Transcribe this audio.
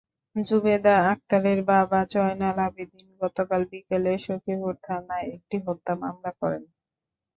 জুবেদা আক্তারের বাবা জয়নাল আবেদীন গতকাল বিকেলে সখীপুর থানায় একটি হত্যা মামলা করেন।